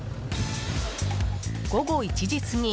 午後１時過ぎ。